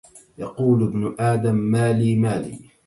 يَقُولُ ابْنُ آدَمَ مَالِي مَالِي